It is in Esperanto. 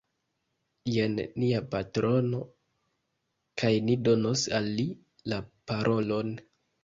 Jen nia patrono, kaj ni donos al li la parolon